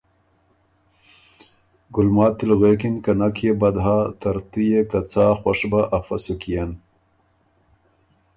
ګُلماتی ل غوېکِن که نک يې بد هۀ، ترتُو يې که څا خؤش بۀ افۀ سو کيېن